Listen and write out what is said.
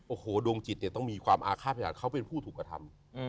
โอ้โหดวงจิตเนี่ยต้องมีความอาฆาตพยานเขาเป็นผู้ถูกกระทำ